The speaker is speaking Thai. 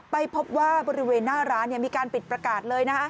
ไปพบว่าบริเวณหน้าร้านมีการปิดประกาศเลย